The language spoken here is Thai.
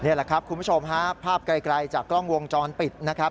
นี่แหละครับคุณผู้ชมฮะภาพไกลจากกล้องวงจรปิดนะครับ